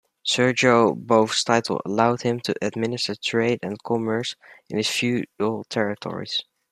Sergio Bove's title allowed him to administer trade and commerce in his feudal territories.